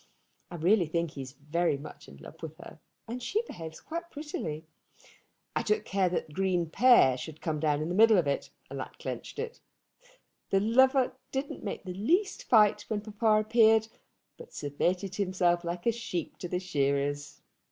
I really think he is very much in love with her, and she behaves quite prettily. I took care that Green père should come down in the middle of it, and that clenched it. The lover didn't make the least fight when papa appeared, but submitted himself like a sheep to the shearers.